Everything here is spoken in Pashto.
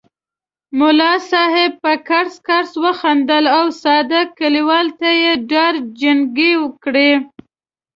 ملا صاحب په کړس کړس وخندل او ساده کلیوال ته یې داړې جینګې کړې.